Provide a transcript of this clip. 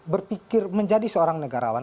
berpikir menjadi seorang negarawan